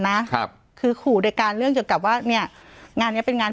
นะครับคือขู่โดยการเรื่องเกี่ยวกับว่าเนี้ยงานเนี้ยเป็นงาน